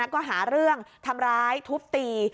ก็หาเรื่องทำร้ายทุบตี